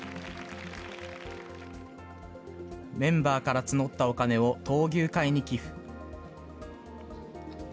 メンバーから募ったお金を闘牛会に寄付。